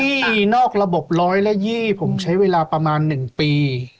หนี้นอกระบบร้อยและยี่ผมใช้เวลาประมาณหนึ่งปี